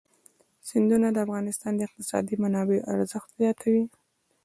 سیندونه د افغانستان د اقتصادي منابعو ارزښت زیاتوي.